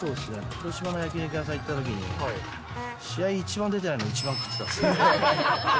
広島の焼き肉屋さん行ったときに、試合一番出てないのに一番食ってた。